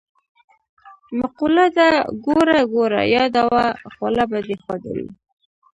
مقوله ده: ګوړه ګوړه یاده وه خوله به دی خوږه وي.